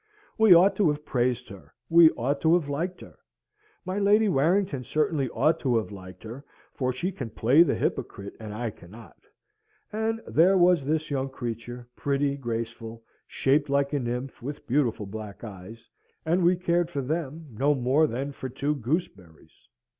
We ought to have praised her, we ought to have liked her. My Lady Warrington certainly ought to have liked her, for she can play the hypocrite, and I cannot. And there was this young creature pretty, graceful, shaped like a nymph, with beautiful black eyes and we cared for them no more than for two gooseberries!